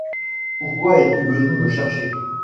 Pourquoi es-tu venu me chercher ?